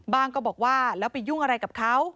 ก็บอกว่าแล้วไปยุ่งอะไรกับเขา